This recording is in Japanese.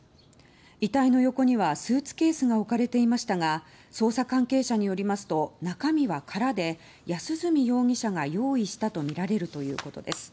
遺体の横にはスーツケースが置かれていましたが捜査関係者によりますと中身は空で、安栖容疑者が用意したとみられるということです。